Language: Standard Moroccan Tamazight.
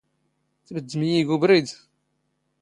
ⵜⴱⴷⴷⵎ ⵉⵢⵉ ⴳ ⵓⴱⵔⵉⴷ!